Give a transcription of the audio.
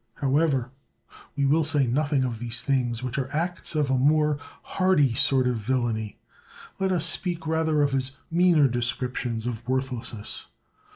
However, we will say nothing of these things, which are acts of a more hardy sort of villainy. Let us speak rather of his meaner descriptions of worthlessness.